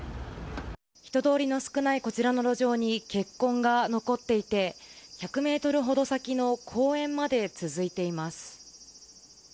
人通りの少ないこちらの路上に血痕が残っていて１００ｍほど先の公園まで続いています。